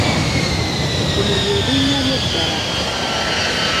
Lino ly’erinnya lyo ddala.